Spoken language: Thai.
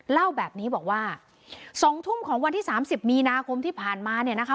เล่าแบบนี้บอกว่า๒ทุ่มของวันที่๓๐มีนาคมที่ผ่านมาเนี่ยนะคะ